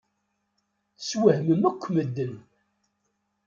Teswehmem akk medden.